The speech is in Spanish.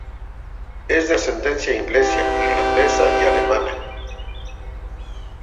Es de ascendencia inglesa, irlandesa y alemana.